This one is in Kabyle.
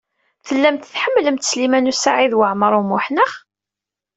Tellamt tḥemmlemt Sliman U Saɛid Waɛmaṛ U Muḥ, naɣ?